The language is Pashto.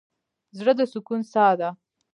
زړه د سکون څاه ده.